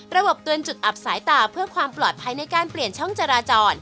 เตือนจุดอับสายตาเพื่อความปลอดภัยในการเปลี่ยนช่องจราจร